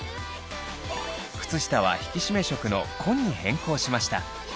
靴下は引き締め色の紺に変更しました。